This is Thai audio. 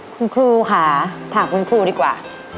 คุณครูค่ะถามคุณครูดีกว่า